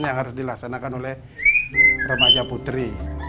yang harus dilaksanakan oleh remaja putri